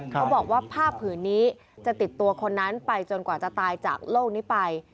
เขาบอกว่าผ้าผืนนี้จะติดตัวคนนั้นไปจนกว่าจะตายจากโลกนี้ไป